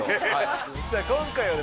さあ今回はですね